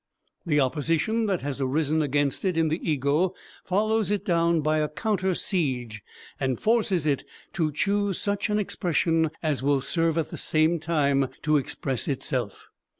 The opposition that has arisen against it in the ego follows it down by a "counter siege" and forces it to choose such an expression as will serve at the same time to express itself.